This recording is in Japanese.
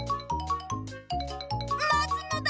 まつのだ！